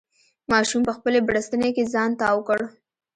ماشوم په خپلې بړستنې کې ځان تاو کړ.